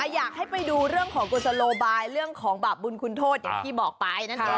อยากให้ไปดูเรื่องของกุศโลบายเรื่องของบาปบุญคุณโทษอย่างที่บอกไปนั่นเอง